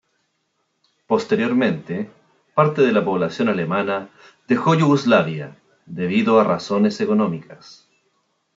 Posteriormente parte de la población alemana dejó Yugoslavia debido a razones económicas.